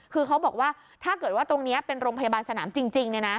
คือเขาบอกว่าถ้าเกิดว่าตรงนี้เป็นโรงพยาบาลสนามจริง